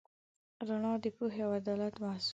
رڼا د پوهې او عدالت محصول دی.